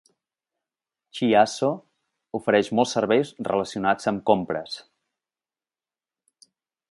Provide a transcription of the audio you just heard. Chiasso ofereix molts serveis relacionats amb compres.